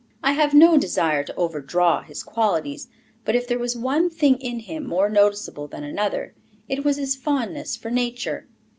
I have no desire to overdraw his qualities, but if there was one thing in him more noticeable than another, it was his fondness for nature.